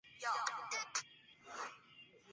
瓦尔斯莱本是德国勃兰登堡州的一个市镇。